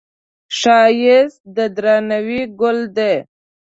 ښایست د درناوي ګل دی